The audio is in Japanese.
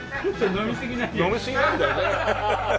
飲みすぎなんだよね。